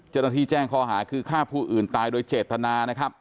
เจ้าหน้าที่แจ้งข้อหาคือฆ่าผู้อื่นตายโดยเจตนานะครับ